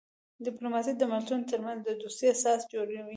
ډیپلوماسي د ملتونو ترمنځ د دوستۍ اساس جوړوي.